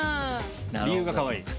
理由がかわいい！